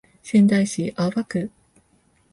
仙台市青葉区